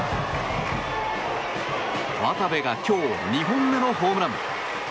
渡部が今日２本目のホームラン。